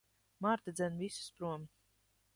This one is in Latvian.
Marta dzen visus prom.